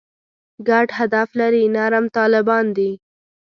ګډ هدف لري «نرم طالبان» دي.